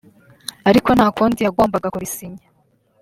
ariko ntakundi yagombaga kubisinya